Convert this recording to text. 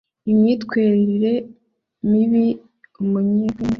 imyitwerire mibi Umunyerwende wese